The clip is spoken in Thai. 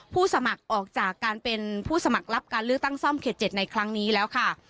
สมัครออกจากการเป็นผู้สมัครรับการเลือกตั้งซ่อมเขต๗ในครั้งนี้แล้วค่ะ